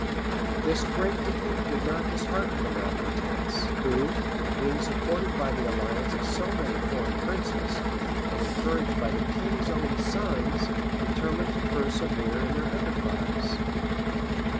{1174.} This great defeat did not dishearten the malecontents; who, being supported by the alliance of so many foreign princes, and encouraged by the king's own sons, determined to persevere in their enterprise.